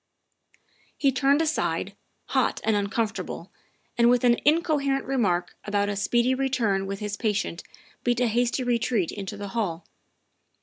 '' He turned aside, hot and uncomfortable, and with an incoherent remark about a speedy return with his pa tient beat a hasty retreat into the hall.